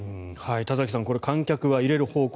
田崎さん、これ観客は入れる方向。